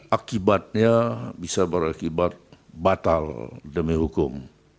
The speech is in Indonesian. akibatnya bisa berakibat batal demi hukum